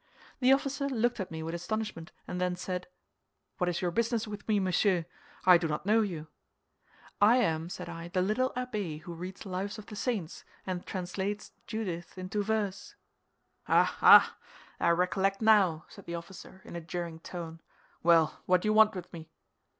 The officer looked at me with astonishment, and then said, 'What is your business with me, monsieur? I do not know you.' 'I am,' said I, 'the little abbé who reads Lives of the Saints, and translates Judith into verse.' 'Ah, ah! I recollect now,' said the officer, in a jeering tone; 'well, what do you want with me?